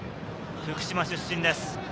福島出身です。